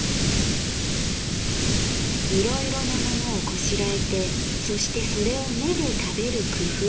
「いろいろなものをこしらえてそしてそれを目で食べる工夫をする。